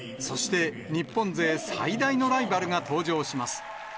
そして、日本勢最大のライバルが登場します。